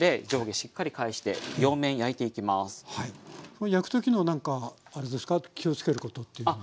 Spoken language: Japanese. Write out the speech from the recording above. これ焼く時の何かあれですか気を付けることっていうのは。